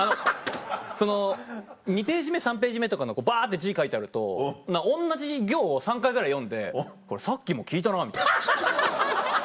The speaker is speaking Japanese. その２ページ目３ページ目とかバって字書いてあると同じ行を３回ぐらい読んで「これさっきも聞いたな」。